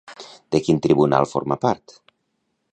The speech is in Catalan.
De quin tribunal forma part?